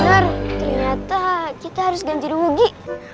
benar ternyata kita harus ganti rugi